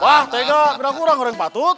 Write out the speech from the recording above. wah tega udah kurang goreng patut